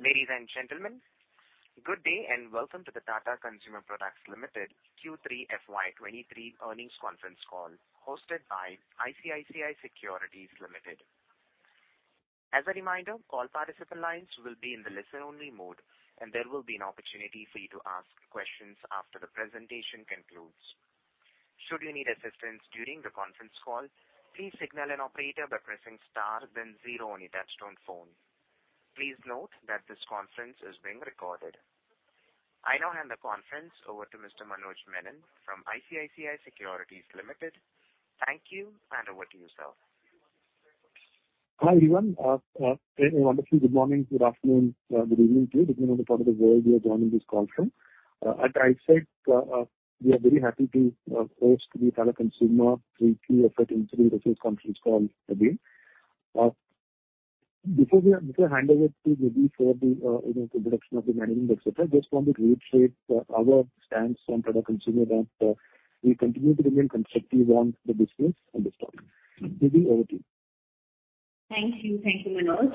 Ladies and gentlemen, good day and welcome to the Tata Consumer Products Limited Q3 FY'23 earnings conference call hosted by ICICI Securities Limited. As a reminder, call participant lines will be in the listen-only mode, and there will be an opportunity for you to ask questions after the presentation concludes. Should you need assistance during the conference call, please signal an operator by pressing star then 0 on your touchtone phone. Please note that this conference is being recorded. I now hand the conference over to Mr. Manoj Menon from ICICI Securities Limited. Thank you. Over to you, sir. Hi, everyone. A wonderfully good morning, good afternoon, good evening to you, depending on the part of the world you are joining this call from. At ICICI, we are very happy to host the Tata Consumer 3Q FY'23 results conference call again. Before I hand over to Nidhi for the, you know, the introduction of the management, et cetera, I just wanted to reiterate our stance on Tata Consumer that we continue to remain constructive on the business and the stock. Nidhi, over to you. Thank you. Thank you, Manoj.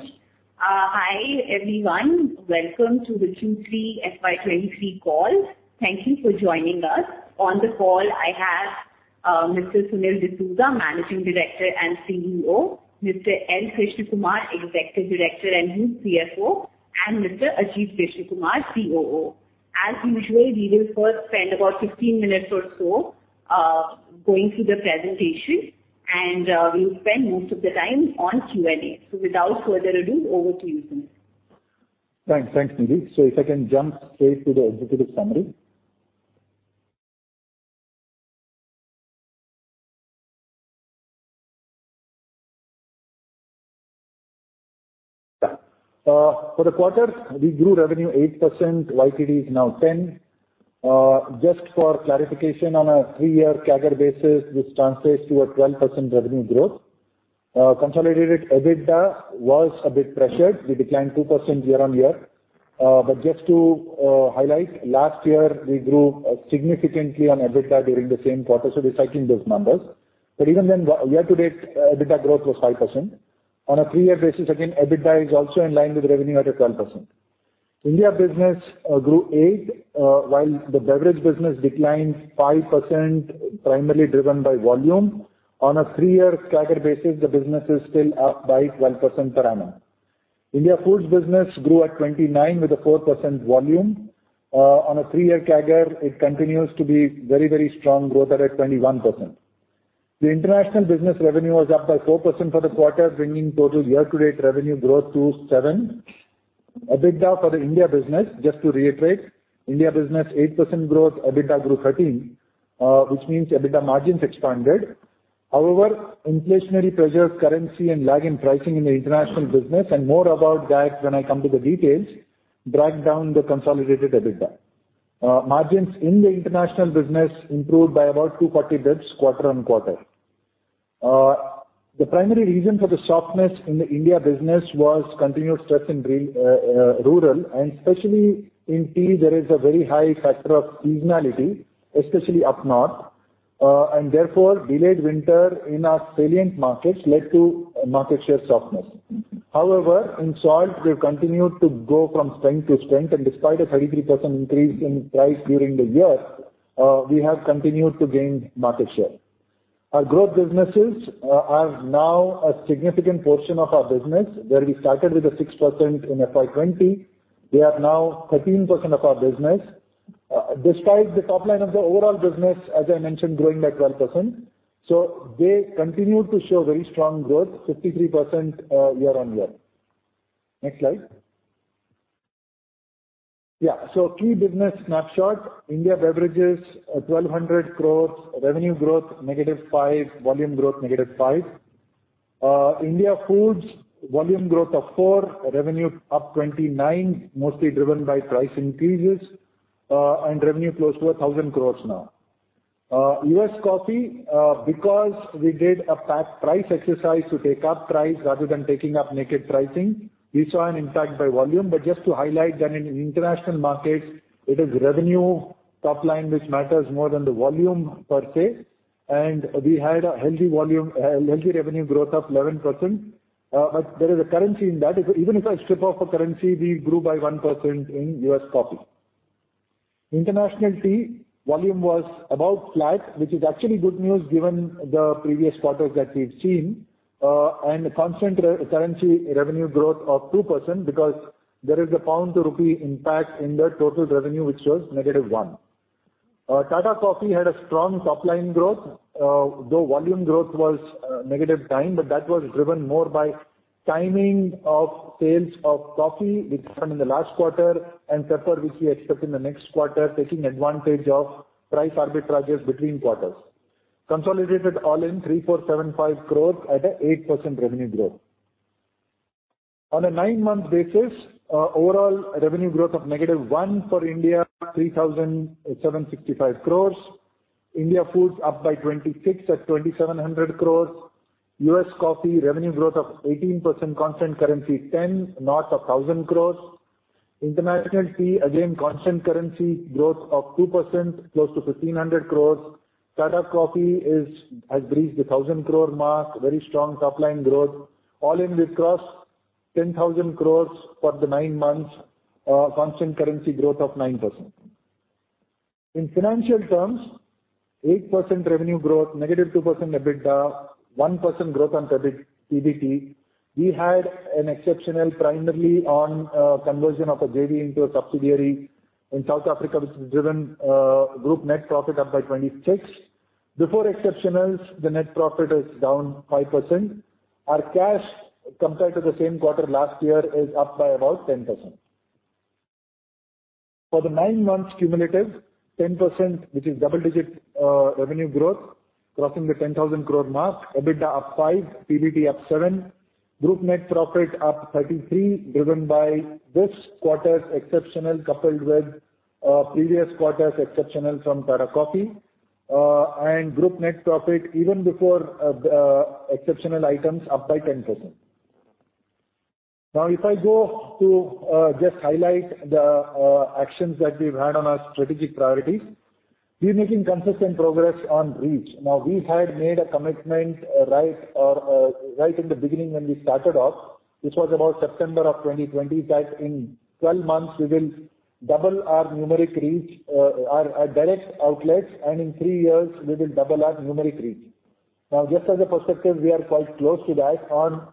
Hi, everyone. Welcome to the Q3 FY'23 call. Thank you for joining us. On the call, I have Mr. Sunil D'Souza, Managing Director and CEO, Mr. L. Krishnakumar, Executive Director and CFO, and Mr. Ajit Krishnakumar, COO. As usual, we will first spend about 15 minutes or so going through the presentation, and we'll spend most of the time on Q&A. Without further ado, over to you, Sunil. Thanks. Thanks, Nidhi. If I can jump straight to the executive summary. For the quarter, we grew revenue 8%, YTD is now 10. Just for clarification, on a three-year CAGR basis, this translates to a 12% revenue growth. Consolidated EBITDA was a bit pressured. We declined 2% year-on-year. But just to highlight, last year we grew significantly on EBITDA during the same quarter, so we're cycling those numbers. But even then, year-to-date EBITDA growth was 5%. On a three-year basis, again, EBITDA is also in line with revenue at a 12%. India business grew 8, while the beverage business declined 5%, primarily driven by volume. On a three-year CAGR basis, the business is still up by 12% per annum. India foods business grew at 29 with a 4% volume. On a three-year CAGR, it continues to be very, very strong growth at 21%. The international business revenue was up by 4% for the quarter, bringing total year-to-date revenue growth to 7%. EBITDA for the India business, just to reiterate, India business 8% growth, EBITDA grew 13%, which means EBITDA margins expanded. Inflationary pressures, currency and lag in pricing in the international business, and more about that when I come to the details, dragged down the consolidated EBITDA. Margins in the international business improved by about two party bits quarter-on-quarter. The primary reason for the softness in the India business was continued strength in rural, and especially in tea there is a very high factor of seasonality, especially up north. Therefore, delayed winter in our salient markets led to market share softness. In salt we've continued to grow from strength to strength, and despite a 33% increase in price during the year, we have continued to gain market share. Our growth businesses are now a significant portion of our business where we started with a 6% in FY'20, they are now 13% of our business, despite the top line of the overall business, as I mentioned, growing by 12%. They continue to show very strong growth, 53% year-on-year. Next slide. Yeah. Key business snapshot. India beverages, 1,200 crores. Revenue growth, -5%. Volume growth, -5%. India foods, volume growth of 4%, revenue up 29%, mostly driven by price increases, and revenue close to 1,000 crores now. US coffee, because we did a pack price exercise to take up price rather than taking up naked pricing, we saw an impact by volume. Just to highlight that in international markets, it is revenue top line which matters more than the volume per se. We had a healthy revenue growth of 11%. There is a currency in that. Even if I strip off a currency, we grew by 1% in US coffee. International tea volume was about flat, which is actually good news given the previous quarters that we've seen. Constant currency revenue growth of 2% because there is a pound to rupee impact in the total revenue, which shows -1. Tata Coffee had a strong top-line growth. Though volume growth was -9%, that was driven more by timing of sales of coffee we found in the last quarter and pepper, which we expect in the next quarter, taking advantage of price arbitrages between quarters. Consolidated all in 3,475 crores at a 8% revenue growth. On a nine-month basis, overall revenue growth of -1% for India, 3,765 crores. India foods up by 26% at 2,700 crores. U.S. coffee revenue growth of 18%, constant currency 10%, north of 1,000 crores. International tea, again, constant currency growth of 2%, close to 1,500 crores. Tata Coffee has breached the 1,000 crore mark, very strong top line growth. All in, we've crossed 10,000 crores for the nine months, constant currency growth of 9%. In financial terms, 8% revenue growth, -2% EBITDA, 1% growth on PBT. We had an exceptional primarily on conversion of a JV into a subsidiary in South Africa, which has driven group net profit up by 26%. Before exceptionals, the net profit is down 5%. Our cash compared to the same quarter last year is up by about 10%. For the nine months cumulative, 10%, which is double-digit revenue growth, crossing the 10,000 crore mark. EBITDA up 5%, PBT up 7%. Group net profit up 33%, driven by this quarter's exceptional coupled with previous quarter's exceptional from Tata Coffee. Group net profit even before the exceptional items up by 10%. If I go to just highlight the actions that we've had on our strategic priorities, we're making consistent progress on reach. We had made a commitment, right in the beginning when we started off, which was about September of 2020, that in 12 months, we will double our numeric reach, our direct outlets, and in 3 years we will double our numeric reach. Just as a perspective, we are quite close to that on.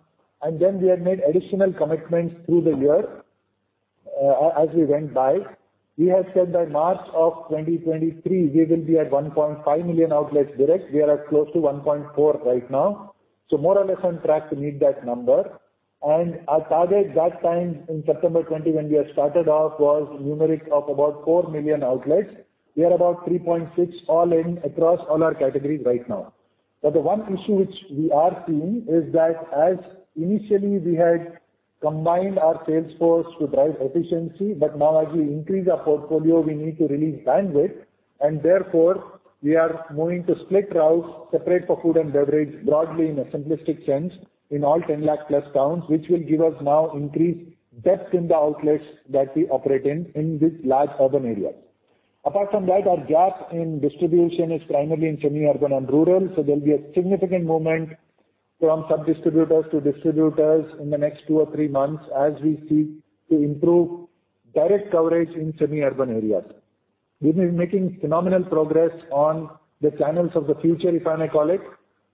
We have made additional commitments through the year as we went by. We have said by March of 2023, we will be at 1.5 million outlets direct. We are at close to 1.4 right now. More or less on track to meet that number. Our target that time in September 20 when we had started off was numeric of about 4 million outlets. We are about 3.6 all in across all our categories right now. The one issue which we are seeing is that as initially we had combined our sales force to drive efficiency. Now as we increase our portfolio, we need to release bandwidth, and therefore we are moving to split routes separate for food and beverage, broadly in a simplistic sense, in all 10 lakh plus towns, which will give us now increased depth in the outlets that we operate in these large urban areas. Apart from that, our gap in distribution is primarily in semi-urban and rural. There'll be a significant movement from sub-distributors to distributors in the next two or three months as we seek to improve direct coverage in semi-urban areas. We've been making phenomenal progress on the channels of the future, if I may call it.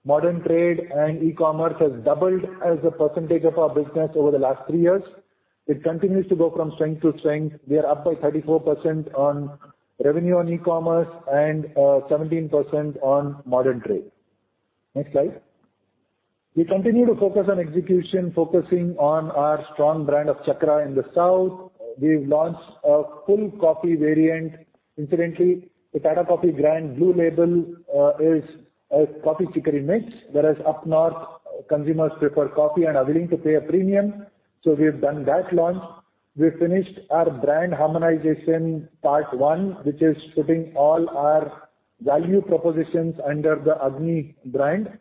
Modern trade and e-commerce has doubled as a percentage of our business over the last three years. It continues to go from strength to strength. We are up by 34% on revenue on e-commerce and 17% on modern trade. Next slide. We continue to focus on execution, focusing on our strong brand of Chakra in the South. We've launched a full coffee variant. Incidentally, the Tata Coffee Blue Label is a coffee chicory mix, whereas up north consumers prefer coffee and are willing to pay a premium. We've done that launch. We've finished our brand harmonization part one, which is putting all our value propositions under the Agni brand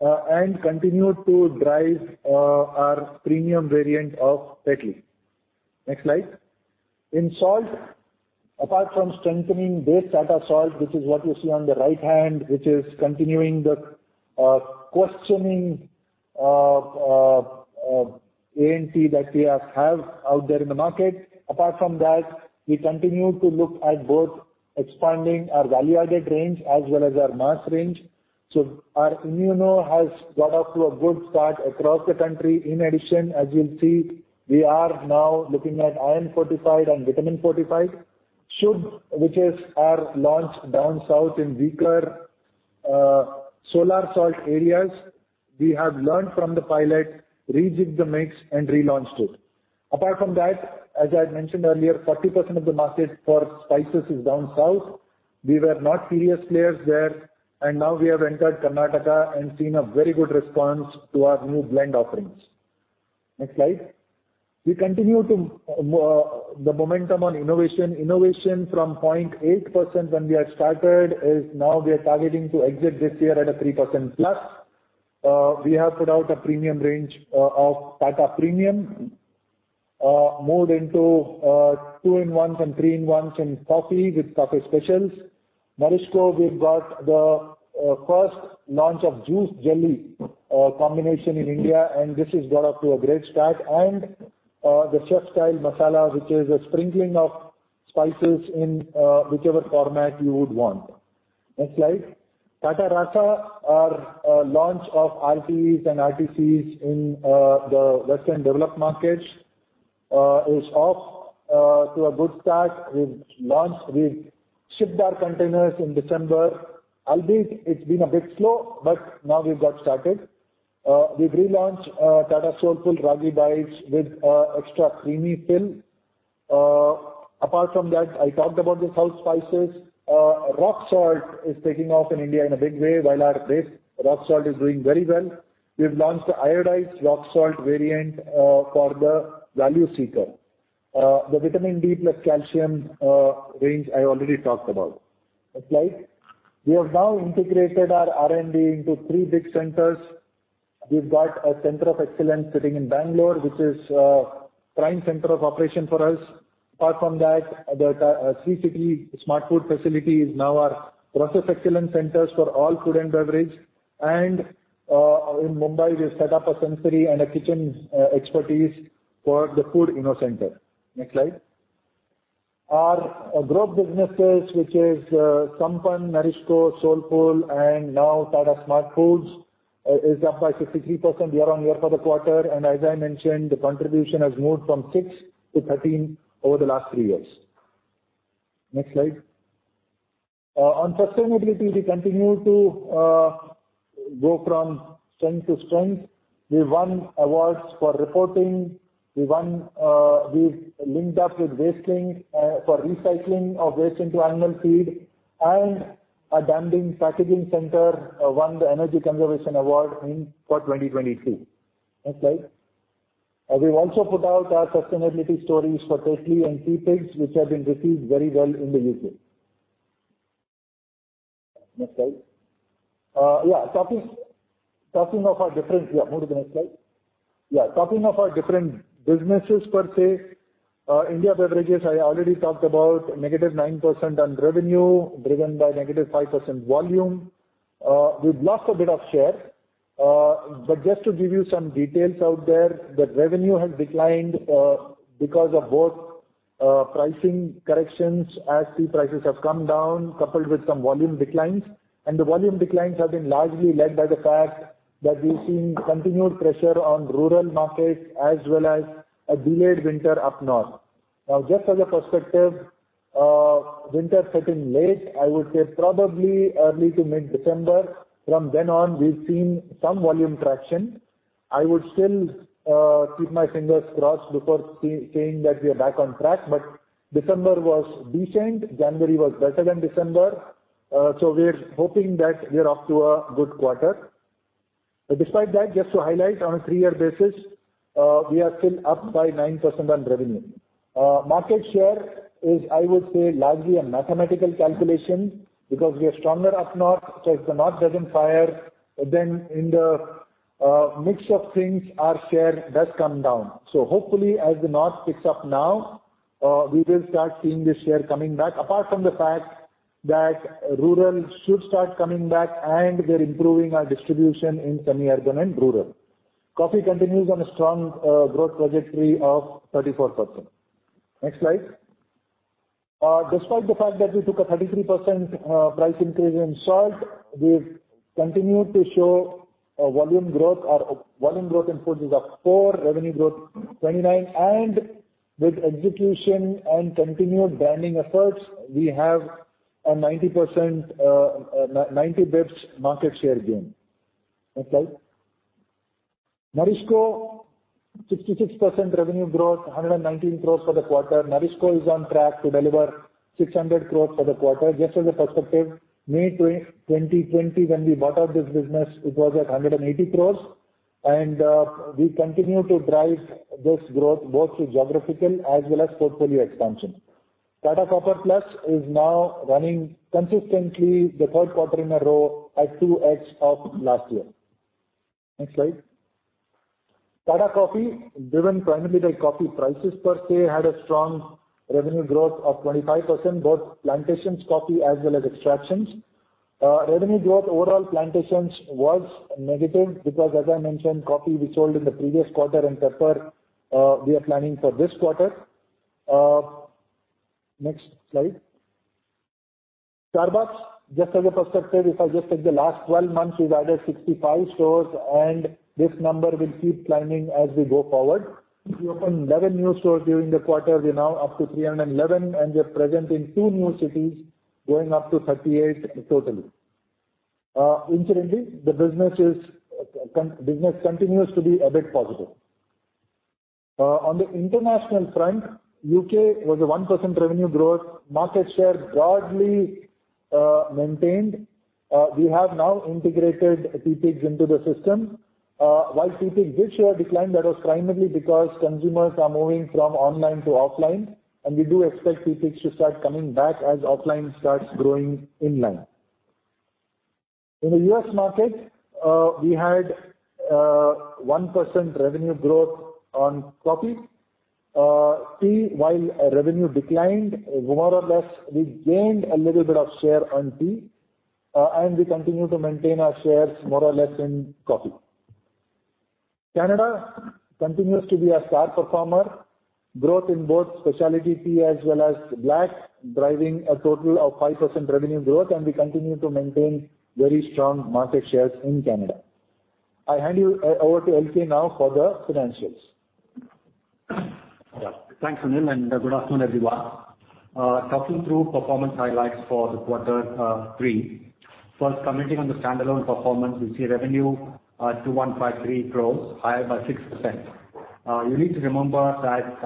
and continue to drive our premium variant of Tetley. Next slide. In salt, apart from strengthening base Tata Salt, which is what you see on the right hand, which is continuing the questioning of ANC that we have out there in the market. Apart from that, we continue to look at both expanding our value-added range as well as our mass range. Our Immuno has got off to a good start across the country. In addition, as you'll see, we are now looking at iron-fortified and vitamin-fortified Shuddh, which is our launch down south in weaker, solar salt areas. We have learned from the pilot, rejigged the mix and relaunched it. Apart from that, as I had mentioned earlier, 40% of the market for spices is down south. We were not serious players there, and now we have entered Karnataka and seen a very good response to our new blend offerings. Next slide. We continue to the momentum on innovation. Innovation from 0.8% when we had started is now we are targeting to exit this year at a 3%+. We have put out a premium range of Tata Premium, moved into two-in-ones and three-in-ones in coffee with Coffee Specials. Marisco, we've got the first launch of juice jelly combination in India, this has got off to a great start. The chef's style masala, which is a sprinkling of spices in whichever format you would want. Next slide. Tata Raasa, our launch of RTEs and RTCs in the Western developed markets is off to a good start. We've shipped our containers in December, albeit it's been a bit slow, now we've got started. We've relaunched Tata Soulfull Ragi Bites with extra creamy fill. Apart from that, I talked about the South spices. Rock salt is taking off in India in a big way. While our base rock salt is doing very well, we've launched the iodized rock salt variant for the value seeker. The vitamin D + calcium range I already talked about. Next slide. We have now integrated our R&D into three big centers. We've got a center of excellence sitting in Bengaluru, which is prime center of operation for us. Apart from that, the CPC smart food facility is now our process excellence centers for all food and beverage. In Mumbai, we've set up a sensory and a kitchen expertise for the food innovation center. Next slide. Our growth businesses, which is Sampann, Marisco, Soulfull, and now Tata Smart Foods, is up by 63% year-over-year for the quarter. As I mentioned, the contribution has moved from six to 13 over the last 3 years. Next slide. On sustainability, we continue to go from strength to strength. We won awards for reporting. We linked up with Wastelink for recycling of waste into animal feed, and our Dabun packaging center won the Energy Conservation Award for 2022. Next slide. We've also put out our sustainability stories for Tetley and Teapigs, which have been received very well in the U.K. Next slide. Move to the next slide. Talking of our different businesses per se, India Beverages, I already talked about -9% on revenue, driven by -5% volume. We've lost a bit of share. But just to give you some details out there, the revenue has declined because of both pricing corrections as tea prices have come down, coupled with some volume declines. The volume declines have been largely led by the fact that we've seen continued pressure on rural markets as well as a delayed winter up north. Just as a perspective, winter set in late, I would say probably early to mid-December. From then on, we've seen some volume traction. I would still keep my fingers crossed before saying that we are back on track, but December was decent. January was better than December. We're hoping that we're off to a good quarter. Despite that, just to highlight on a three-year basis, we are still up by 9% on revenue. Market share is, I would say, largely a mathematical calculation because we are stronger up north. If the north doesn't fire, then in the mix of things, our share does come down. Hopefully as the north picks up now, we will start seeing the share coming back, apart from the fact that rural should start coming back and we're improving our distribution in semi-urban and rural. Coffee continues on a strong growth trajectory of 34%. Next slide. Despite the fact that we took a 33% price increase in salt, we've continued to show a volume growth. Our volume growth in foods is up 4%, revenue growth 29%. With execution and continued branding efforts, we have a 90%, 90 basis points market share gain. Next slide. Marisco, 66% revenue growth, 119 crores for the quarter. Marisco is on track to deliver 600 crores for the quarter. Just as a perspective, May 2020 when we bought out this business, it was at 180 crores. We continue to drive this growth both through geographical as well as portfolio expansion. Tata Copper+ is now running consistently the third quarter in a row at 2x of last year. Next slide. Tata Coffee, driven primarily by coffee prices per se, had a strong revenue growth of 25%, both plantations coffee as well as extractions. Revenue growth overall plantations was negative because as I mentioned, coffee we sold in the previous quarter and pepper, we are planning for this quarter. Next slide. Starbucks, just as a perspective, if I just take the last 12 months, we've added 65 stores, and this number will keep climbing as we go forward. We opened 11 new stores during the quarter. We're now up to 311, and we are present in two new cities, going up to 38 totally. Incidentally, the business continues to be a bit positive. On the international front, UK was a 1% revenue growth. Market share broadly maintained. We have now integrated Teapigs into the system. While Teapigs did show a decline, that was primarily because consumers are moving from online to offline, and we do expect Teapigs to start coming back as offline starts growing in line. In the US market, we had 1% revenue growth on coffee. Tea, while revenue declined, more or less, we gained a little bit of share on tea, and we continue to maintain our shares more or less in coffee. Canada continues to be a star performer. Growth in both specialty tea as well as black, driving a total of 5% revenue growth, we continue to maintain very strong market shares in Canada. I hand you over to LK now for the financials. Thanks, Sunil, good afternoon, everyone. Talking through performance highlights for Q3. First, commenting on the standalone performance, you see revenue 2,153 crore, higher by 6%. You need to remember that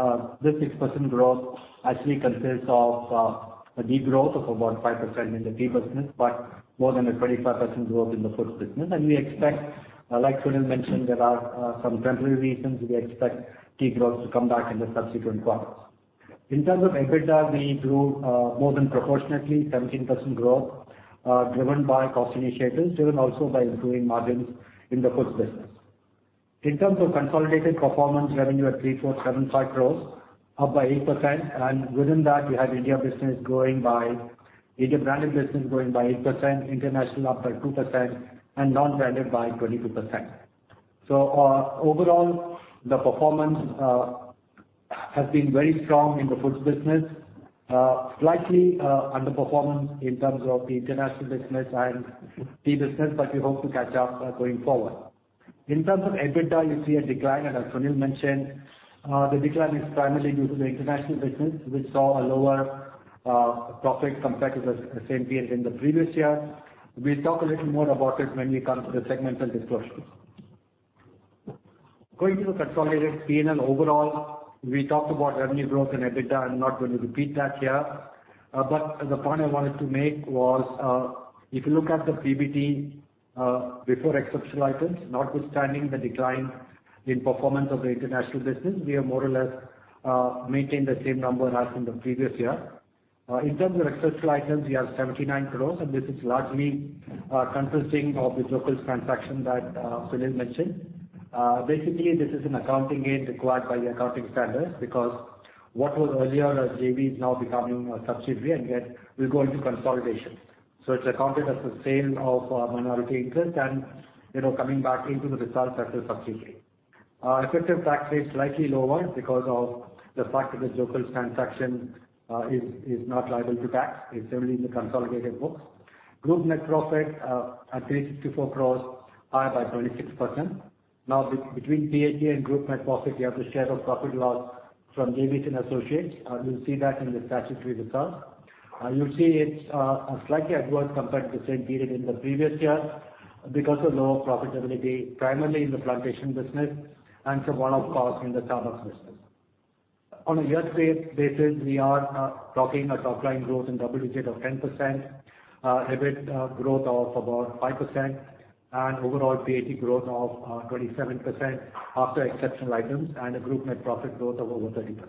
this 6% growth actually consists of a degrowth of about 5% in the tea business, but more than a 25% growth in the foods business. We expect, like Sunil mentioned, there are some temporary reasons we expect tea growth to come back in the subsequent quarters. In terms of EBITDA, we grew more than proportionately 17% growth, driven by cost initiatives, driven also by improving margins in the foods business. In terms of consolidated performance revenue at 3.75 crore, up by 8%, within that we have India business growing by... India branded business growing by 8%, international up by 2% and non-branded by 22%. Overall, the performance has been very strong in the foods business, slightly underperforming in terms of the international business and tea business, but we hope to catch up going forward. In terms of EBITDA, you see a decline, as Sunil mentioned. The decline is primarily due to the international business. We saw a lower profit compared to the same period in the previous year. We'll talk a little more about it when we come to the segmental disclosures. Going to the consolidated P&L overall, we talked about revenue growth and EBITDA. I'm not going to repeat that here. The point I wanted to make was, if you look at the PBT before exceptional items, notwithstanding the decline in performance of the international business, we have more or less maintained the same number as in the previous year. In terms of exceptional items, we have 79 crores, and this is largely consisting of the Joekels transaction that Sunil mentioned. Basically, this is an accounting gain required by the accounting standards, because what was earlier a JV is now becoming a subsidiary, and yet will go into consolidation. It's accounted as a sale of minority interest and, you know, coming back into the results as a subsidiary. Our effective tax rate is slightly lower because of the fact that the Joekels transaction is not liable to tax. It's only in the consolidated books. Group net profit, at 364 crore, higher by 26%. Between PAT and group net profit, you have the share of profit loss from JVs and associates. You'll see that in the statutory results. You'll see it's slightly adverse compared to the same period in the previous year because of lower profitability, primarily in the plantation business and from one-off costs in the Starbucks business. On a year-to-date basis, we are talking a top line growth in double digit of 10%, EBIT growth of about 5%, and overall PAT growth of 27% after exceptional items and a group net profit growth of over 30%.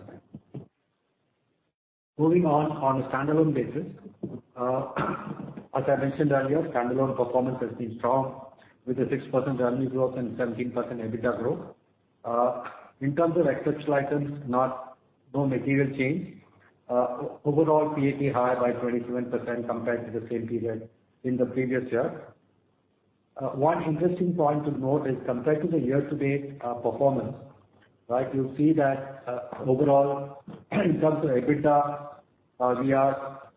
On a standalone basis, as I mentioned earlier, standalone performance has been strong with a 6% revenue growth and 17% EBITDA growth. In terms of exceptional items, no material change. Overall, PAT higher by 27% compared to the same period in the previous year. One interesting point to note is compared to the year-to-date performance, right, you'll see that overall, in terms of EBITDA,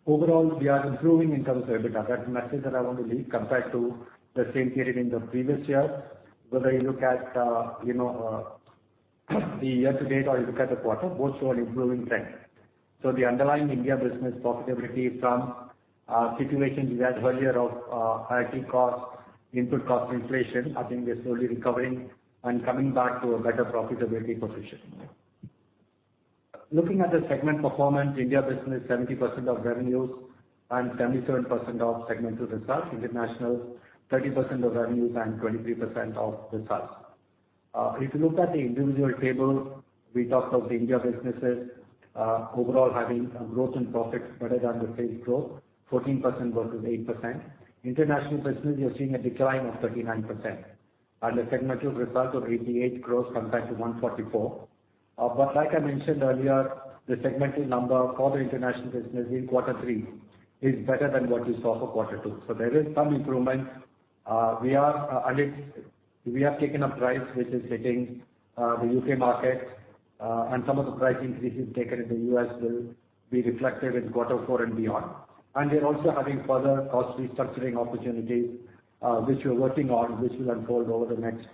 Overall, we are improving in terms of EBITDA. That's the message that I want to leave compared to the same period in the previous year, whether you look at, you know, the year-to-date or you look at the quarter, both show an improving trend. The underlying India business profitability from situations we had earlier of higher tea costs, input cost inflation, I think we are slowly recovering and coming back to a better profitability position. Looking at the segment performance, India business, 70% of revenues and 77% of segmental results. International, 30% of revenues and 23% of results. If you look at the individual table, we talked of the India businesses, overall having a growth in profits better than the sales growth, 14% versus 8%. International business, you're seeing a decline of 39% and a segmental result of 88 crores compared to 144. Like I mentioned earlier, the segmental number for the International business in Q3 is better than what you saw for Q2. There is some improvement. We have taken up price, which is hitting the U.K. market, and some of the price increases taken in the U.S. will be reflected in Q4 and beyond. We are also having further cost restructuring opportunities, which we're working on, which will unfold over the next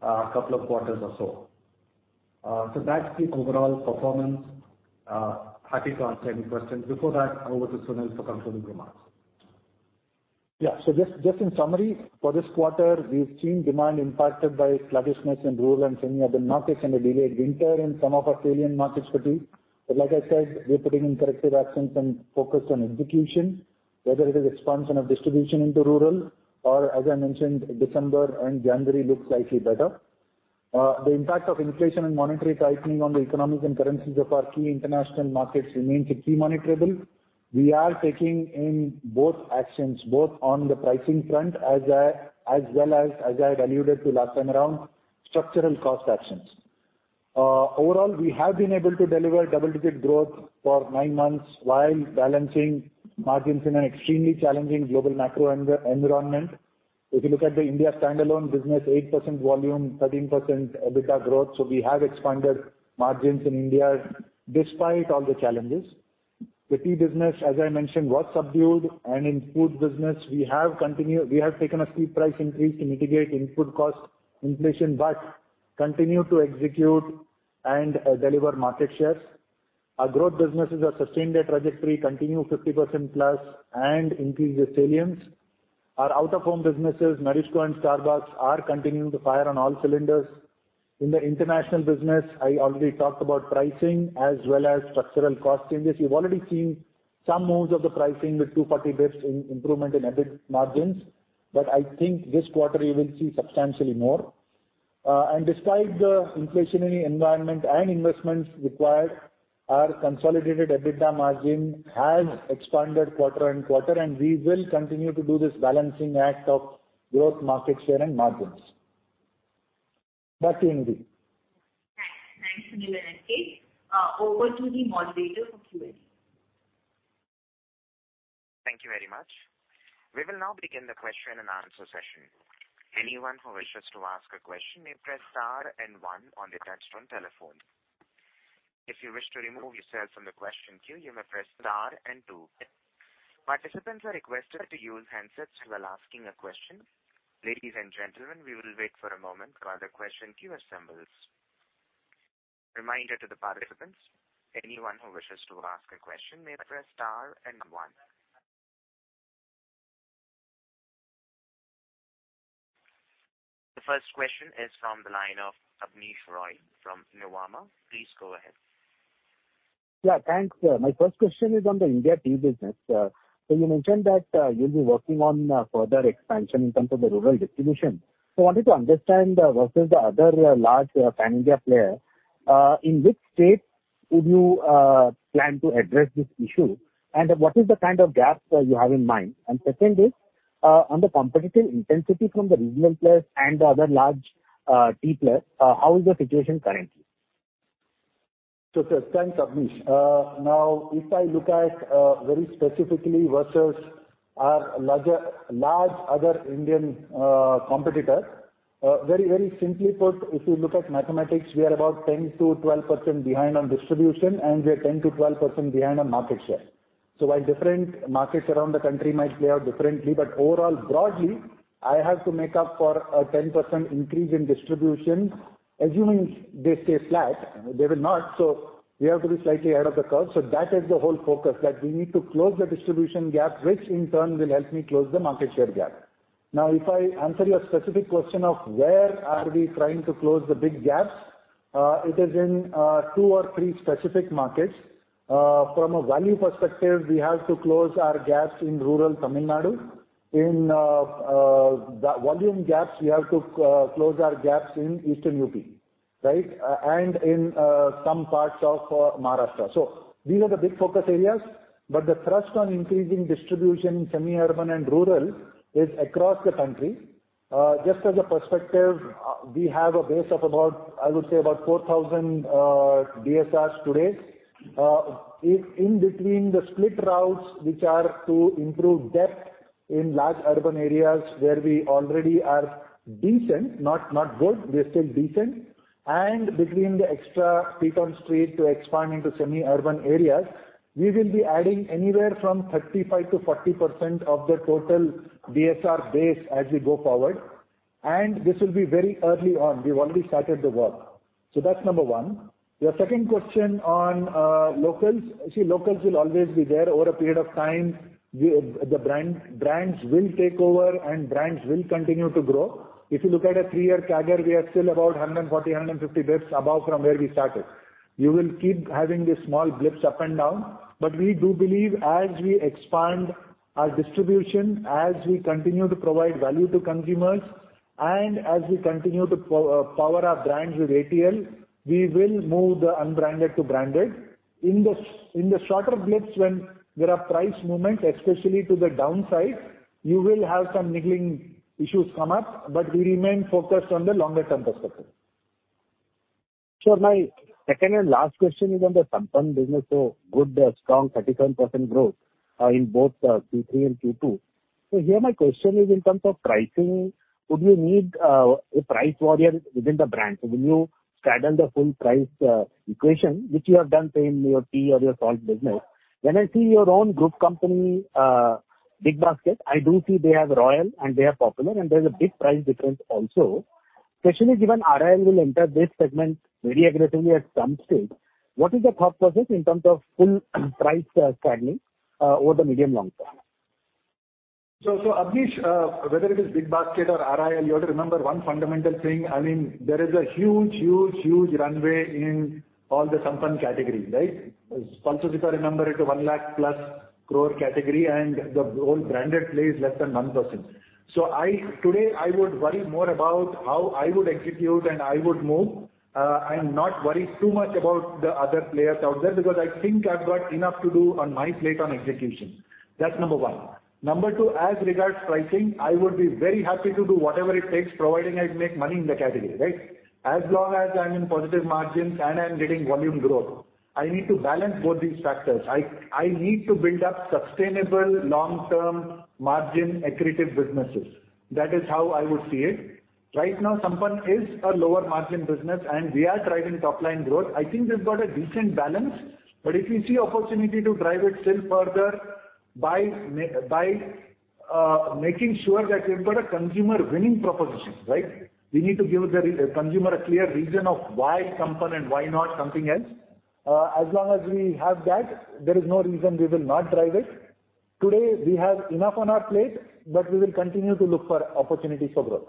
couple of quarters or so. That's the overall performance. Happy to answer any questions. Before that, over to Sunil for concluding remarks. Just, just in summary, for this quarter, we've seen demand impacted by sluggishness in rural and semi-urban markets and a delayed winter in some of our salient markets for tea. Like I said, we're putting in corrective actions and focused on execution, whether it is expansion of distribution into rural or as I mentioned, December and January look slightly better. The impact of inflation and monetary tightening on the economics and currencies of our key international markets remains a key monetizable. We are taking in both actions, both on the pricing front as well as I had alluded to last time around, structural cost actions. Overall, we have been able to deliver double-digit growth for nine months while balancing margins in an extremely challenging global macro environment. If you look at the India standalone business, 8% volume, 13% EBITDA growth. We have expanded margins in India despite all the challenges. The tea business, as I mentioned, was subdued and in food business we have taken a steep price increase to mitigate input cost inflation, but continue to execute and deliver market shares. Our growth businesses have sustained their trajectory, continue 50%+ and increase resilience. Our out-of-home businesses, Marico and Starbucks, are continuing to fire on all cylinders. In the international business, I already talked about pricing as well as structural cost changes. You've already seen some moves of the pricing with 240 basis points in improvement in EBIT margins, but I think this quarter you will see substantially more. Despite the inflationary environment and investments required, our consolidated EBITDA margin has expanded quarter and quarter, and we will continue to do this balancing act of growth, market share and margins. Back to you. Thanks. Thanks, Sunil and NK. Over to the moderator for Q&A. Thank you very much. We will now begin the question and answer session. Anyone who wishes to ask a question may press star one on the touch-tone telephone. If you wish to remove yourself from the question queue, you may press star two. Participants are requested to use handsets while asking a question. Ladies and gentlemen, we will wait for a moment while the question queue assembles. Reminder to the participants, anyone who wishes to ask a question may press star one. The first question is from the line of Abneesh Roy from Nuvama. Please go ahead. Yeah, thanks. My first question is on the India tea business. You mentioned that you'll be working on further expansion in terms of the rural distribution. I wanted to understand versus the other large pan-India player, in which states would you plan to address this issue and what is the kind of gaps you have in mind? Second is on the competitive intensity from the regional players and the other large tea players, how is the situation currently? Sir, thanks, Abneesh. If I look at very specifically versus our large other Indian competitor, very, very simply put, if you look at mathematics, we are about 10%-12% behind on distribution, and we are 10%-12% behind on market share. While different markets around the country might play out differently, but overall, broadly, I have to make up for a 10% increase in distribution, assuming they stay flat. They will not. We have to be slightly ahead of the curve. That is the whole focus, that we need to close the distribution gap, which in turn will help me close the market share gap. If I answer your specific question of where are we trying to close the big gaps, it is in two or three specific markets. From a value perspective, we have to close our gaps in rural Tamil Nadu. In volume gaps, we have to close our gaps in Eastern UP, right? In some parts of Maharashtra. These are the big focus areas. The thrust on increasing distribution in semi-urban and rural is across the country. Just as a perspective, we have a base of about, I would say, about 4,000 DSRs today. If in between the split routes, which are to improve depth in large urban areas where we already are decent, not good, we are still decent, and between the extra feet on street to expand into semi-urban areas, we will be adding anywhere from 35%-40% of the total DSR base as we go forward. This will be very early on. We've already started the work. That's number one. Your second question on locals. See, locals will always be there. Over a period of time, brands will take over and brands will continue to grow. If you look at a three-year CAGR, we are still about 140, 150 basis above from where we started. You will keep having these small blips up and down. We do believe as we expand our distribution, as we continue to provide value to consumers, and as we continue to power our brands with ATL, we will move the unbranded to branded. In the shorter blips when there are price movements, especially to the downside, you will have some niggling issues come up, but we remain focused on the longer term perspective. Sure. My second and last question is on the Sampann business. Good, strong 37% growth in both Q3 and Q2. Here my question is in terms of pricing, would you need a price warrior within the brand? Will you straddle the full price equation, which you have done, say, in your tea or your salt business? When I see your own group company, BigBasket, I do see they have Royal and they have Popular, and there's a big price difference also. Especially given RIL will enter this segment very aggressively at some stage. What is the thought process in terms of full price straddling over the medium long term? Abneesh, whether it is BigBasket or RIL, you have to remember one fundamental thing. I mean, there is a huge, huge, huge runway in all the Sampann categories, right? If I remember, it's a one lakh plus crore category, and the whole branded play is less than 1%. Today I would worry more about how I would execute and I would move, and not worry too much about the other players out there, because I think I've got enough to do on my plate on execution. That's number one. Number two, as regards pricing, I would be very happy to do whatever it takes, providing I make money in the category, right? As long as I'm in positive margins and I'm getting volume growth. I need to balance both these factors. I need to build up sustainable long-term margin accretive businesses. That is how I would see it. Right now, Sampann is a lower margin business, and we are driving top-line growth. I think we've got a decent balance. But if we see opportunity to drive it still further by making sure that we've got a consumer winning proposition, right? We need to give the consumer a clear reason of why Sampann and why not something else. As long as we have that, there is no reason we will not drive it. Today, we have enough on our plate, but we will continue to look for opportunities for growth.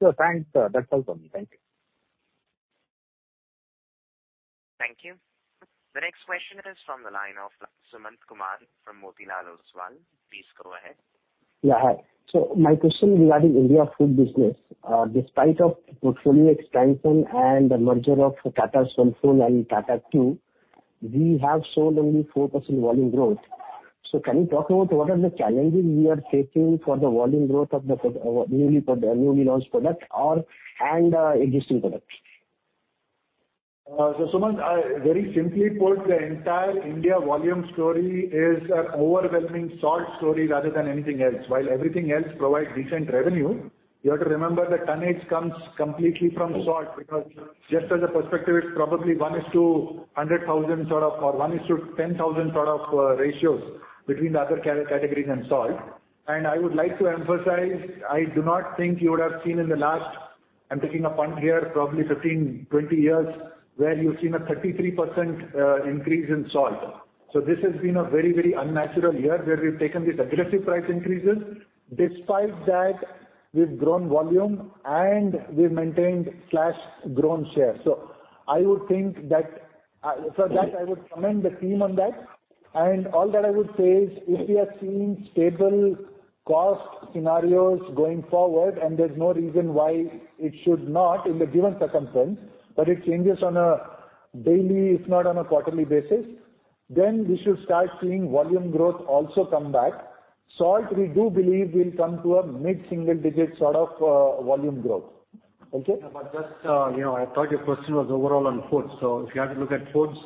Sure. Thanks. That's all for me. Thank you. Thank you. The next question is from the line of Sumant Kumar from Motilal Oswal. Please go ahead. Yeah, hi. My question regarding India food business. Despite of portfolio expansion and the merger of Tata Soulfull and Tata Tea, we have shown only 4% volume growth. Can you talk about what are the challenges we are facing for the newly launched product or existing products? Sumant, I very simply put, the entire India volume story is an overwhelming salt story rather than anything else. While everything else provides decent revenue, you have to remember the tonnage comes completely from salt because just as a perspective, it's probably one is to 100,000 sort of, or one is to 10,000 sort of, ratios between the other categories and salt. I would like to emphasize, I do not think you would have seen in the last, I'm taking a punt here, probably 15, 20 years, where you've seen a 33% increase in salt. This has been a very, very unnatural year where we've taken these aggressive price increases. Despite that, we've grown volume and we've maintained/grown share. I would think that, for that, I would commend the team on that. All that I would say is if we are seeing stable cost scenarios going forward, and there's no reason why it should not in the given circumstance, but it changes on a daily, if not on a quarterly basis, then we should start seeing volume growth also come back. Salt, we do believe will come to a mid-single digit sort of, volume growth. Okay? Yeah, you know, I thought your question was overall on foods. If you have to look at foods,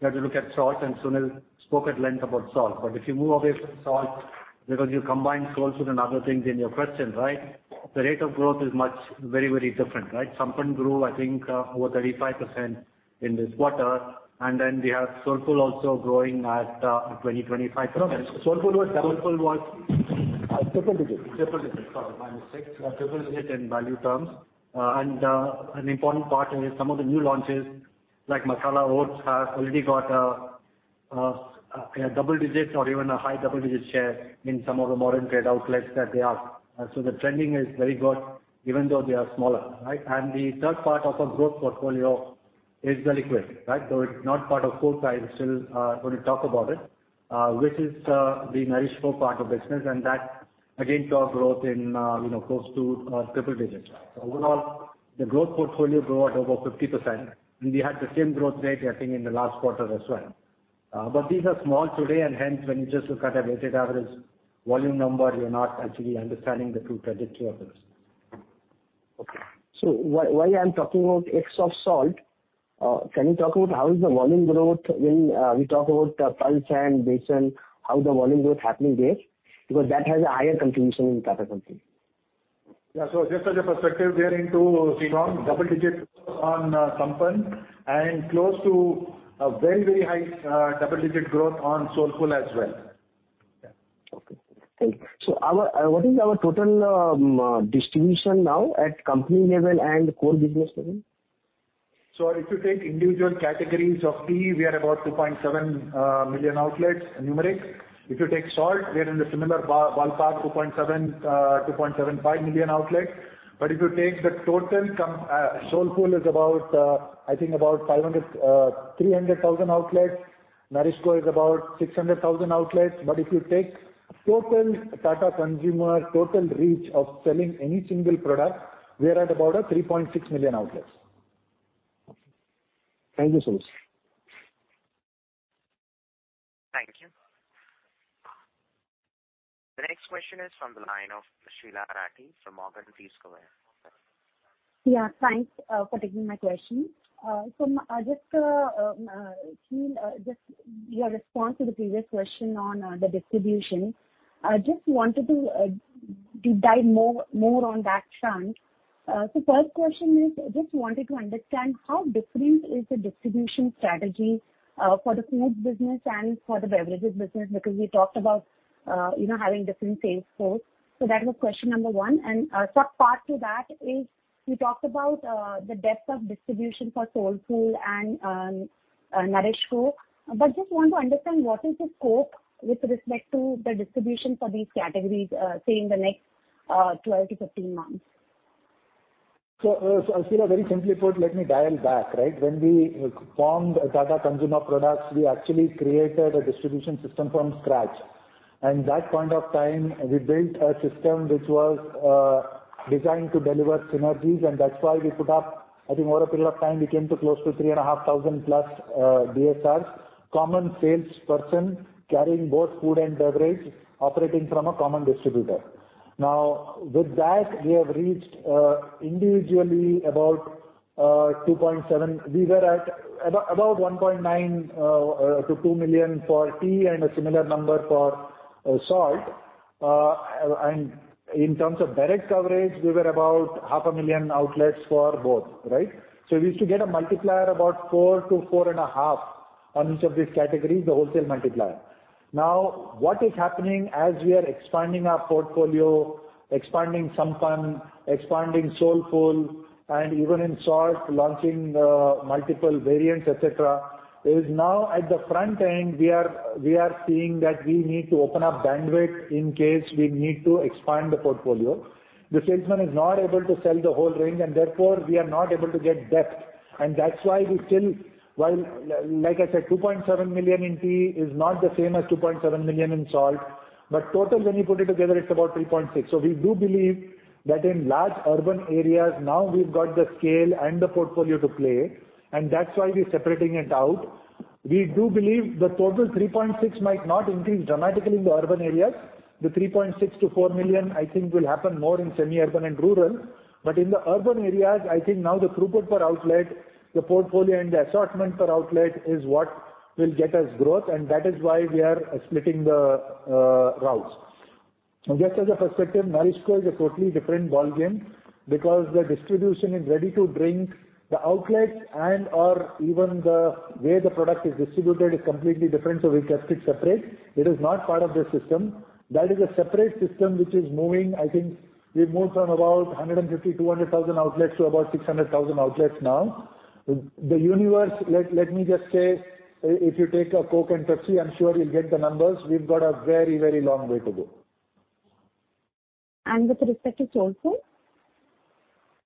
you have to look at salt, and Sunil spoke at length about salt. If you move away from salt because you combined Soulfull and other things in your question, right? The rate of growth is much, very, very different, right? Sampann grew, I think, over 35% in this quarter. We have Soulfull also growing at 20%-25%. No, no. Soulfull was double Soulfull. Triple digit, sorry, my mistake. Triple digit in value terms. An important part is some of the new launches, like Tata Soulfull Masala Oats+, have already got a double digit or even a high double digit share in some of the modern trade outlets that they are. So the trending is very good even though they are smaller, right? The third part of our growth portfolio is the liquid, right? So it's not part of food, so I still wanna talk about it, which is the NourishCo part of business, and that again saw growth in, you know, close to triple digits. So overall, the growth portfolio grew at over 50%, and we had the same growth rate, I think, in the last quarter as well. These are small today and hence when you just look at a weighted average volume number, you're not actually understanding the true trajectory of this. Why I'm talking about X of salt, can you talk about how is the volume growth when we talk about pulse and besan, how the volume growth happening there? Because that has a higher contribution in Tata Consumer. Yeah. Just as a perspective, we are into strong double digit growth on Sampann and close to a very, very high double digit growth on Soulfull as well. Yeah. Okay. Thank you. Our, what is our total distribution now at company level and core business level? If you take individual categories of tea, we are about 2.7 million outlets numeric. If you take salt, we are in the similar ballpark, 2.7, 2.5 million outlets. If you take the total, Soulfull is about, I think about 500, 300 thousand outlets. NourishCo is about 600 thousand outlets. If you take total Tata Consumer total reach of selling any single product, we are at about a 3.6 million outlets. Thank you, Sunil. Thank you. The next question is from the line of Sheela Rathi from Morgan Stanley. Thanks for taking my question. Sunil, just your response to the previous question on the distribution, I just wanted to dive more on that front. First question is, I just wanted to understand how different is the distribution strategy for the foods business and for the beverages business, because we talked about, you know, having different sales force. That was question number one. Sub part to that is you talked about the depth of distribution for Soulfull and NourishCo. Just want to understand what is the scope with respect to the distribution for these categories, say in the next 12 to 15 months. Shila, very simply put, let me dial back, right? When we formed Tata Consumer Products, we actually created a distribution system from scratch. That point of time we built a system which was designed to deliver synergies, and that's why we put up, I think over a period of time, we came to close to 3,500+ DSRs, common salesperson carrying both food and beverage operating from a common distributor. With that, we have reached individually about 2.7 million. We were at about 1.9 million to 2 million for tea and a similar number for salt. And in terms of direct coverage, we were about 0.5 million outlets for both, right? We used to get a multiplier about four to 4.5 on each of these categories, the wholesale multiplier. What is happening as we are expanding our portfolio, expanding Sampann, expanding Soulfull, and even in salt, launching multiple variants, et cetera, is now at the front end, we are seeing that we need to open up bandwidth in case we need to expand the portfolio. The salesman is not able to sell the whole range and therefore we are not able to get depth. That's why we still, while, like I said, 2.7 million in tea is not the same as 2.7 million in salt. Total, when you put it together, it's about 3.6. We do believe that in large urban areas, now we've got the scale and the portfolio to play, and that's why we're separating it out. We do believe the total 3.6 might not increase dramatically in the urban areas. The 3.6 million-4 million, I think, will happen more in semi-urban and rural. But in the urban areas, I think now the throughput per outlet, the portfolio and the assortment per outlet is what will get us growth, and that is why we are splitting the routes. Just as a perspective, Marisco is a totally different ballgame because the distribution is ready to drink. The outlet and/or even the way the product is distributed is completely different, so we kept it separate. It is not part of the system. That is a separate system which is moving. I think we've moved from about 150,000-200,000 outlets to about 600,000 outlets now. The universe, let me just say, if you take a Coke and Pepsi, I'm sure you'll get the numbers. We've got a very long way to go. With respect to Soulfull?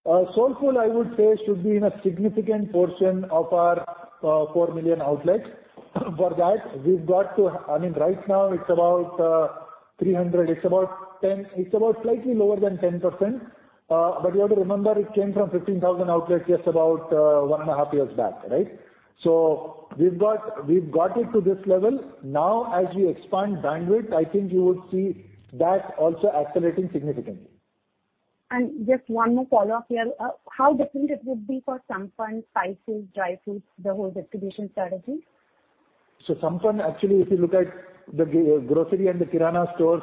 Soulfull, I would say, should be in a significant portion of our 4 million outlets. I mean, right now it's about 300. It's about 10. It's about slightly lower than 10%. You have to remember, it came from 15,000 outlets just about one and a half years back, right? We've got it to this level. Now, as we expand bandwidth, I think you would see that also accelerating significantly. Just one more follow-up here. How different it would be for Sampann spices, dry fruits, the whole distribution strategy? Sampann, actually, if you look at the grocery and the kirana stores,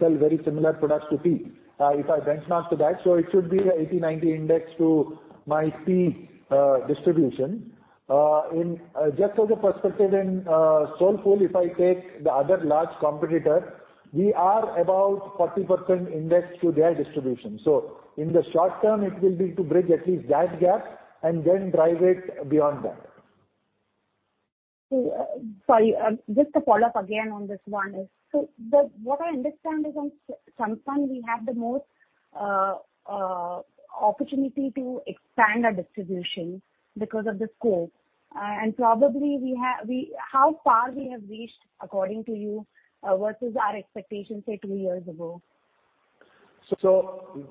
sell very similar products to tea, if I benchmark to that. It should be 80, 90 index to my tea, distribution. Just as a perspective in Soulfull, if I take the other large competitor, we are about 40% index to their distribution. In the short term, it will be to bridge at least that gap and then drive it beyond that. Sorry, just to follow up again on this one is, so what I understand is on Sampann we have the most opportunity to expand our distribution because of the scope, and probably how far we have reached according to you, versus our expectation, say, three years ago?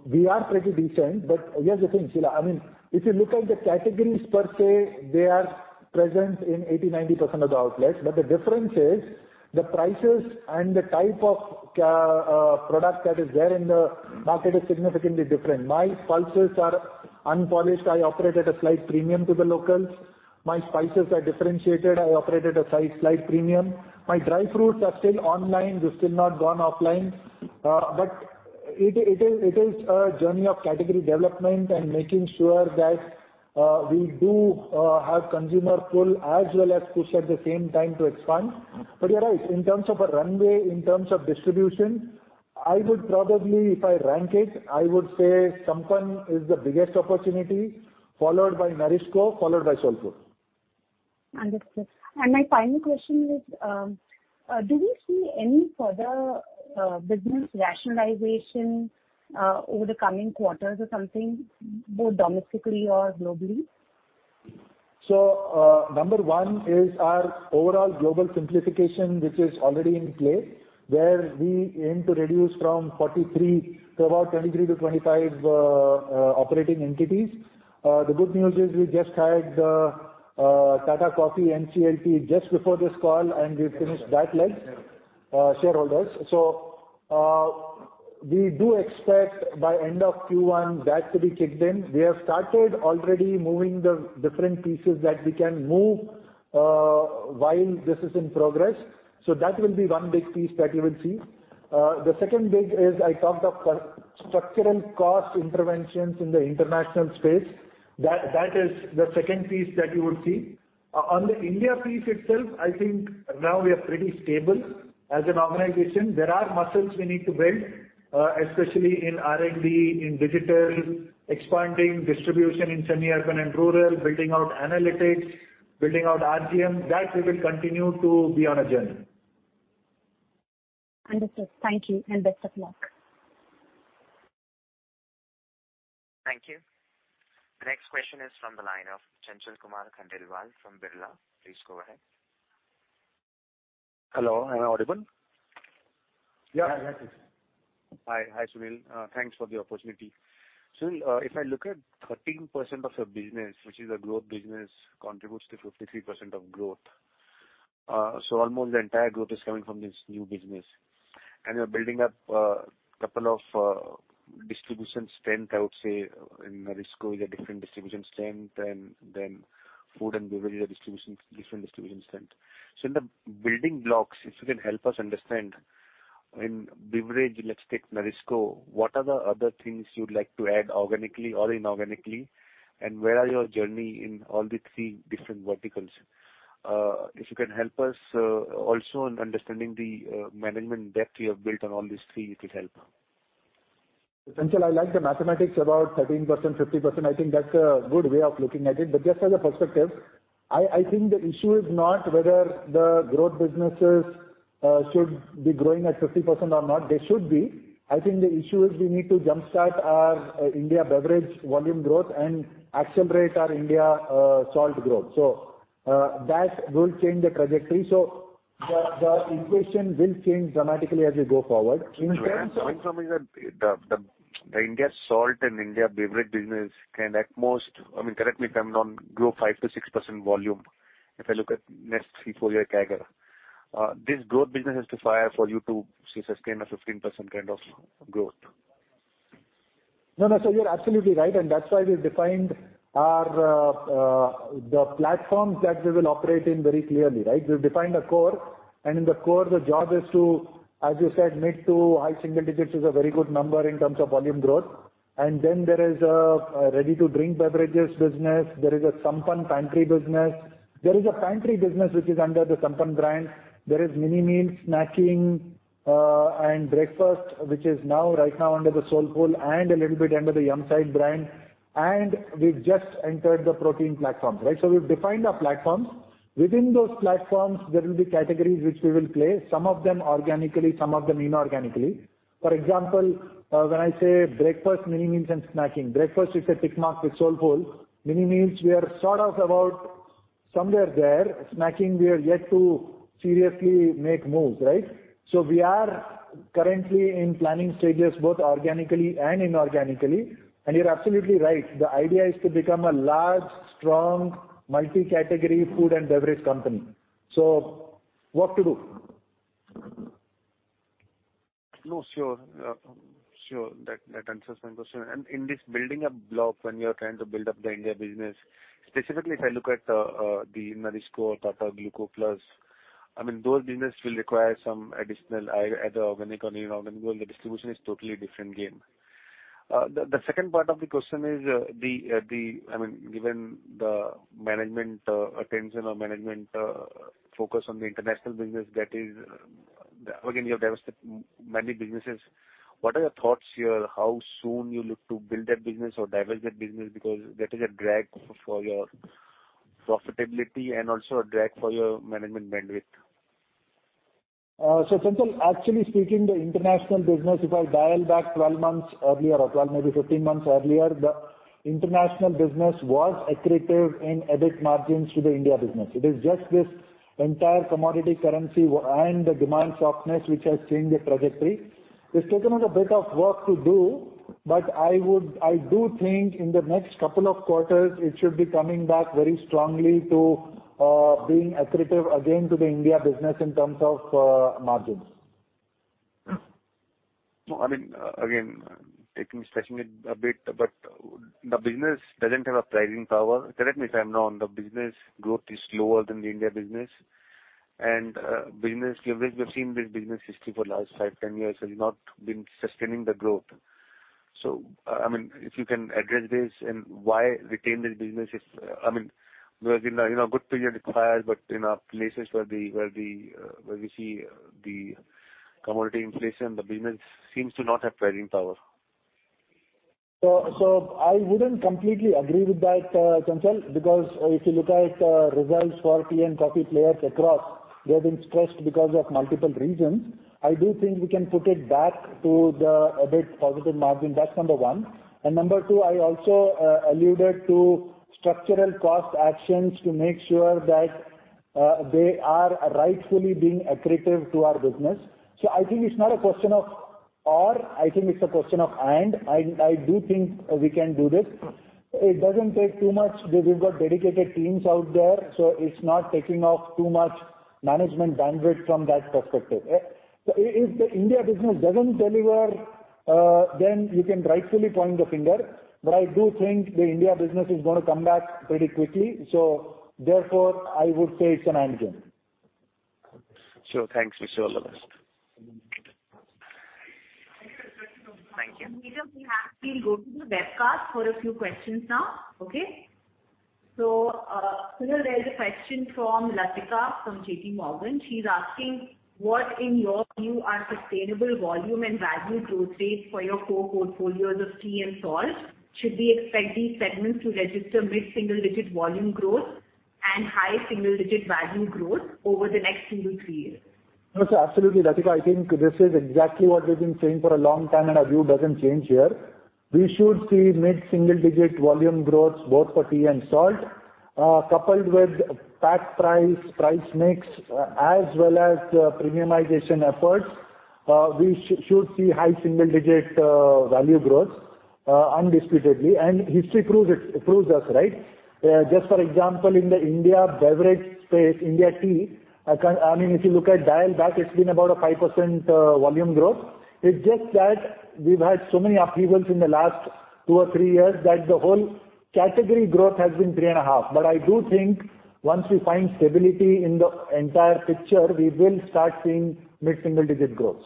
We are pretty decent. Here's the thing, Sheela. I mean, if you look at the categories per se, they are present in 80%, 90% of the outlets. The difference is the prices and the type of product that is there in the market is significantly different. My pulses are unpolished. I operate at a slight premium to the locals. My spices are differentiated. I operate at a slight premium. My dry fruits are still online. We've still not gone offline. It is a journey of category development and making sure that we do have consumer pull as well as push at the same time to expand. You're right. In terms of a runway, in terms of distribution, I would probably, if I rank it, I would say Sampann is the biggest opportunity, followed by Marisco, followed by Soulfull. Understood. My final question is, do we see any further business rationalization over the coming quarters or something, both domestically or globally? Number one is our overall global simplification, which is already in place, where we aim to reduce from 43 to about 23 to 25 operating entities. The good news is we just had the Tata Coffee NCLT just before this call, and we finished that leg, shareholders. We do expect by end of Q1 that to be kicked in. We have started already moving the different pieces that we can move while this is in progress. That will be one big piece that you will see. The second big is I talked of structural cost interventions in the international space. That is the second piece that you will see. On the India piece itself, I think now we are pretty stable as an organization. There are muscles we need to build, especially in R&D, in digital, expanding distribution in semi-urban and rural, building out analytics, building out RGM. That we will continue to be on a journey. Understood. Thank you and best of luck. Thank you. The next question is from the line of Chanchal Kumar Khandelwal from Birla. Please go ahead. Hello, am I audible? Yeah. Yeah. Hi. Hi, Sunil. Thanks for the opportunity. Sunil, if I look at 13% of your business, which is a growth business, contributes to 53% of growth. Almost the entire growth is coming from this new business. You're building up a couple of distribution strength, I would say, in Fruski is a different distribution strength, and then food and beverage is a different distribution strength. In the building blocks, if you can help us understand in beverage, let's take Fruski, what are the other things you'd like to add organically or inorganically? Where are your journey in all the three different verticals? If you can help us also in understanding the management depth you have built on all these three, it will help. Chanchal, I like the mathematics about 13%, 50%. I think that's a good way of looking at it. Just as a perspective, I think the issue is not whether the growth businesses should be growing at 50% or not. They should be. I think the issue is we need to jumpstart our India beverage volume growth and accelerate our India salt growth. That will change the trajectory. The equation will change dramatically as we go forward. I'm assuming that the India salt and India beverage business can at most, I mean, correct me if I'm wrong, grow 5% to 6% volume if I look at next 3-4 year CAGR. This growth business has to fire for you to sustain a 15% kind of growth. No, no, sir, you're absolutely right. That's why we've defined our, the platforms that we will operate in very clearly, right? We've defined a core. In the core, the job is to, as you said, mid to high single digits is a very good number in terms of volume growth. Then there is a ready-to-drink beverages business. There is a Sampann pantry business. There is a pantry business which is under the Sampann brand. There is mini meals, snacking, and breakfast, which is now, right now under the Soulfull and a little bit under the Yumside brand. We've just entered the protein platforms, right? We've defined our platforms. Within those platforms, there will be categories which we will play, some of them organically, some of them inorganically. For example, when I say breakfast, mini meals, and snacking. Breakfast, we've said tick mark with Soulfull. Mini meals, we are sort of about somewhere there. Snacking, we are yet to seriously make moves, right? We are currently in planning stages, both organically and inorganically. You're absolutely right. The idea is to become a large, strong, multi-category food and beverage company. Work to do. No, sure. Sure. That answers my question. In this building a block, when you're trying to build up the India business, specifically if I look at the Marico Tata GlucoPlus, I mean, those business will require some additional either organic or inorganic. Well, the distribution is totally different game. The second part of the question is, I mean, given the management attention or management focus on the international business, that is again, you have divested many businesses. What are your thoughts here? How soon you look to build that business or divest that business? Because that is a drag for your profitability and also a drag for your management bandwidth. Chanchal, actually speaking, the international business, if I dial back 12 months earlier or 12, maybe 15 months earlier, the international business was accretive in EBIT margins to the India business. It is just this entire commodity currency and the demand softness which has changed the trajectory. It's taken us a bit of work to do, but I do think in the next couple of quarters, it should be coming back very strongly to being accretive again to the India business in terms of margins. No, I mean, again, taking, stretching it a bit, but the business doesn't have a pricing power. Correct me if I'm wrong. The business growth is slower than the India business. Business leverage, we've seen this business history for the last five, 10 years has not been sustaining the growth. I mean, if you can address this and why retain this business is, I mean, because in a good period it fires, but in places where the, where the commodity inflation, the business seems to not have pricing power. I wouldn't completely agree with that, Chanchal, because if you look at results for tea and coffee players across, they've been stressed because of multiple reasons. I do think we can put it back to the EBIT positive margin. That's number one. Number two, I also alluded to structural cost actions to make sure that they are rightfully being accretive to our business. I think it's not a question of or, I think it's a question of and. I do think we can do this. It doesn't take too much. We've got dedicated teams out there, so it's not taking off too much management bandwidth from that perspective. If the India business doesn't deliver, then you can rightfully point the finger. I do think the India business is gonna come back pretty quickly. Therefore, I would say it's an and game. Sure. Thanks. Wish you all the best. Thank you. We'll go to the webcast for a few questions now. Okay? Sunil, there's a question from Latika from JP Morgan. She's asking, what in your view are sustainable volume and value growth rates for your core portfolios of tea and salt? Should we expect these segments to register mid-single digit volume growth and high single digit value growth over the next two to three years? No, sir. Absolutely, Latika. I think this is exactly what we've been saying for a long time, and our view doesn't change here. We should see mid-single digit volume growth both for tea and salt. Coupled with pack price mix, as well as premiumization efforts, we should see high single digit value growth undisputedly. History proves us, right? Just for example, in the India beverage space, India tea, I mean, if you look at dial back, it's been about a 5% volume growth. It's just that we've had so many upheavals in the last two or three years that the whole category growth has been three and a half. I do think once we find stability in the entire picture, we will start seeing mid-single digit growth.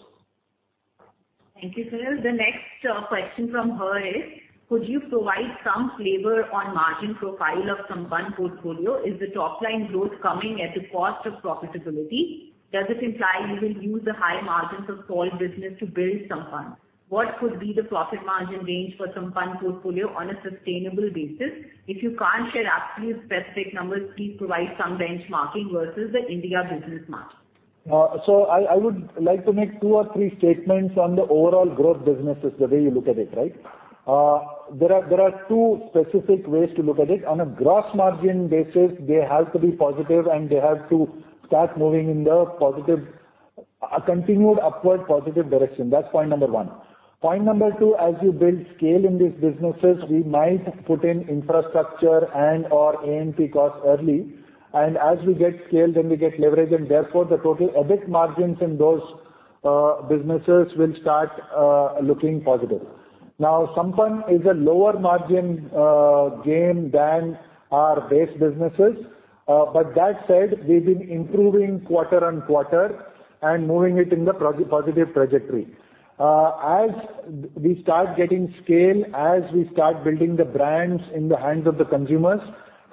Thank you, Sunil. The next question from her is, could you provide some flavor on margin profile of Tata Sampann portfolio? Is the top line growth coming at the cost of profitability? Does it imply you will use the high margins of Tata Salt business to build Tata Sampann? What could be the profit margin range for Tata Sampann portfolio on a sustainable basis? If you can't share absolute specific numbers, please provide some benchmarking versus the India business margin. I would like to make two or three statements on the overall growth businesses, the way you look at it, right? There are 2 specific ways to look at it. On a gross margin basis, they have to be positive, and they have to start moving in the positive. A continued upward positive direction. That's point number one. Point number two, as you build scale in these businesses, we might put in infrastructure and/or A&P costs early. As we get scale, then we get leverage, and therefore the total EBIT margins in those businesses will start looking positive. Sampann is a lower margin game than our base businesses. That said, we've been improving quarter on quarter and moving it in the positive trajectory. As we start getting scale, as we start building the brands in the hands of the consumers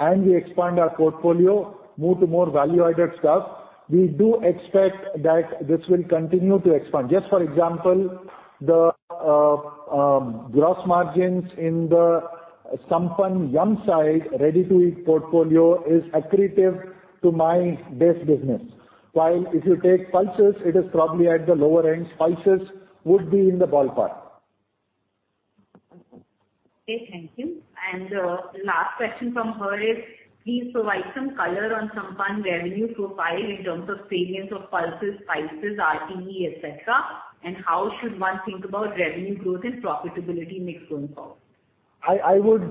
and we expand our portfolio, move to more value-added stuff, we do expect that this will continue to expand. Just for example, the gross margins in the Sampann Yumside ready-to-eat portfolio is accretive to my base business. While if you take pulses, it is probably at the lower end. Spices would be in the ballpark. Okay, thank you. Last question from her is please provide some color on Sampann revenue profile in terms of variance of pulses, spices, RTE, et cetera, and how should one think about revenue growth and profitability mix going forward? I would,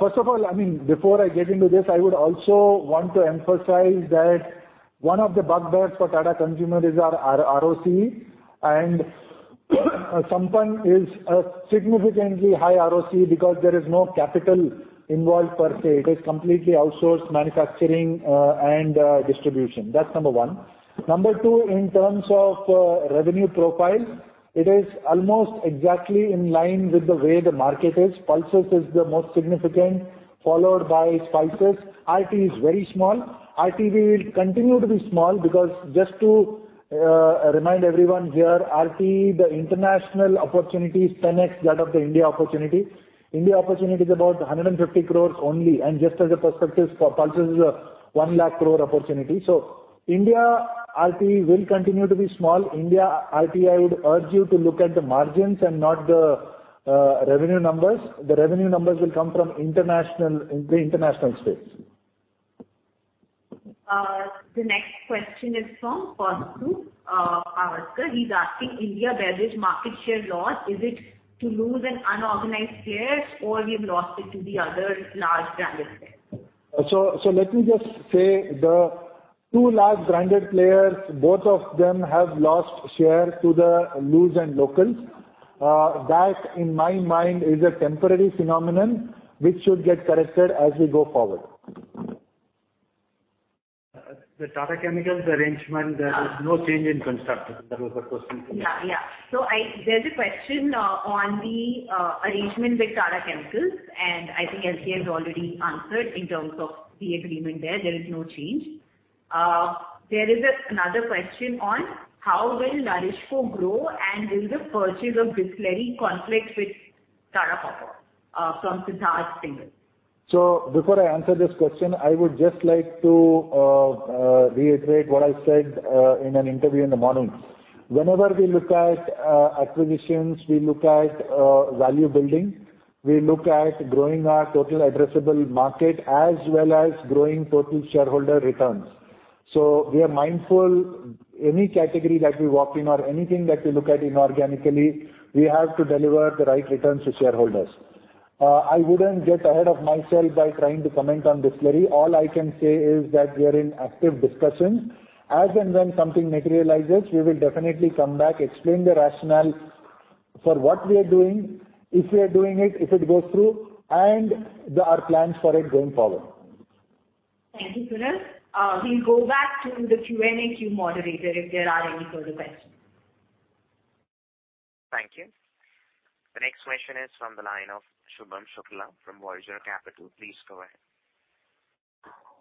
first of all, I mean, before I get into this, I would also want to emphasize that one of the bugbears for Tata Consumer is our RO-ROC, and Sampann is a significantly high ROC because there is no capital involved per se. It is completely outsourced manufacturing and distribution. That's number one. Number two, in terms of revenue profile, it is almost exactly in line with the way the market is. Pulses is the most significant, followed by spices. RTE is very small. RTE will continue to be small because just to remind everyone here, RTE, the international opportunity is 10x that of the India opportunity. India opportunity is about 150 crore only. Just as a perspective, pulses is a 1 lakh crore opportunity. India RTE will continue to be small. India RTE, I would urge you to look at the margins and not the revenue numbers. The revenue numbers will come from international, the international space. The next question is from Pashtu Pawaskar. He's asking India beverage market share loss. Is it to loose and unorganized players or we've lost it to the other large brands there? Let me just say the two large branded players, both of them have lost share to the loose and locals. That in my mind is a temporary phenomenon which should get corrected as we go forward. The Tata Chemicals arrangement, there is no change in construct. That was the question from me. Yeah. Yeah. There's a question on the arrangement with Tata Chemicals, and I think LC has already answered in terms of the agreement there. There is no change. There is another question on how will NourishCo grow and will the purchase of Bisleri conflict with Tata Power from Siddharth Singh. Before I answer this question, I would just like to reiterate what I said in an interview in the morning. Whenever we look at acquisitions, we look at value building. We look at growing our total addressable market as well as growing total shareholder returns. We are mindful, any category that we walk in or anything that we look at inorganically, we have to deliver the right returns to shareholders. I wouldn't get ahead of myself by trying to comment on Bisleri. All I can say is that we are in active discussions. As and when something materializes, we will definitely come back, explain the rationale for what we are doing, if we are doing it, if it goes through, and the, our plans for it going forward. Thank you, Sunil. We'll go back to the Q&A queue moderator if there are any further questions. Thank you. The next question is from the line of Shubham Shukla from Voyager Capital. Please go ahead.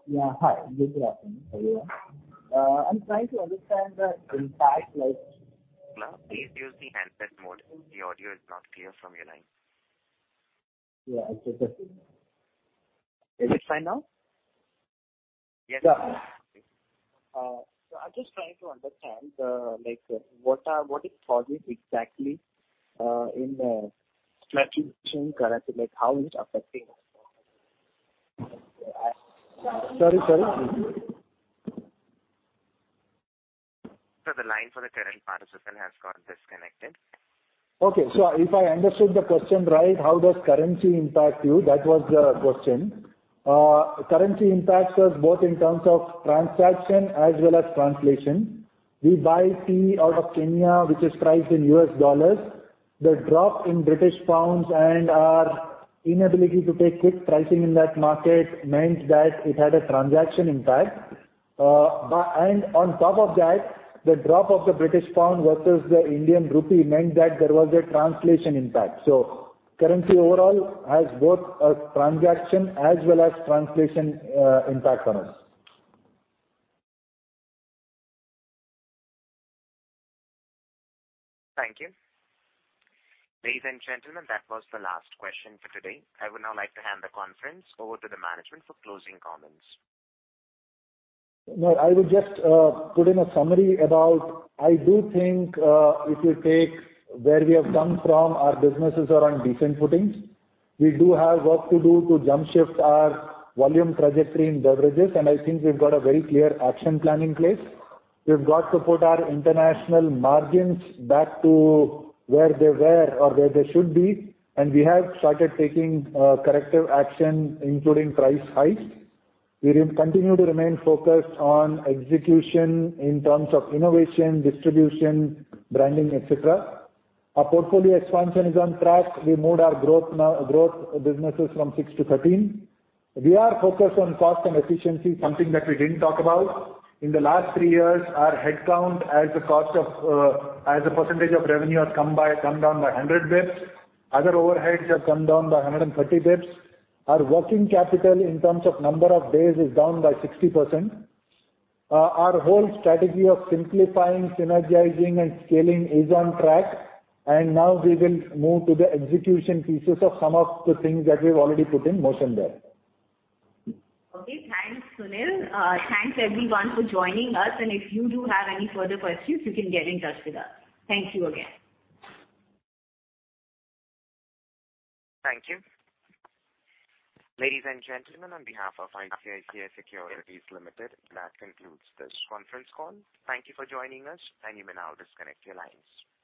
Yeah. Hi. Good afternoon. How are you? I'm trying to understand the impact. Shubham, please use the handset mode. The audio is not clear from your line. Yeah. Is it fine now? Yeah. I'm just trying to understand, like what is causing exactly, in the translation currency, like how is it affecting us? Sorry. The line for the current participant has gotten disconnected. Okay. If I understood the question right, how does currency impact you? That was the question. Currency impacts us both in terms of transaction as well as translation. We buy tea out of Kenya, which is priced in US dollars. The drop in British pounds and our inability to take quick pricing in that market meant that it had a transaction impact. On top of that, the drop of the British pound versus the Indian rupee meant that there was a translation impact. Currency overall has both a transaction as well as translation impact on us. Thank you. Ladies and gentlemen, that was the last question for today. I would now like to hand the conference over to the management for closing comments. No, I would just put in a summary about I do think if you take where we have come from, our businesses are on decent footing. We do have work to do to jump-shift our volume trajectory in beverages, and I think we've got a very clear action plan in place. We've got to put our international margins back to where they were or where they should be, and we have started taking corrective action, including price hikes. We will continue to remain focused on execution in terms of innovation, distribution, branding, et cetera. Our portfolio expansion is on track. We moved our growth now, growth businesses from 6 to 13. We are focused on cost and efficiency, something that we didn't talk about. In the last 3 years, our headcount as a cost of as a percentage of revenue has come down by 100 basis points. Other overheads have come down by 130 basis points. Our working capital in terms of number of days is down by 60%. Our whole strategy of simplifying, synergizing, and scaling is on track, and now we will move to the execution pieces of some of the things that we've already put in motion there. Okay. Thanks, Sunil. Thanks everyone for joining us. If you do have any further questions, you can get in touch with us. Thank you again. Thank you. Ladies and gentlemen, on behalf of ICICI Securities Limited, that concludes this conference call. Thank you for joining us, and you may now disconnect your lines.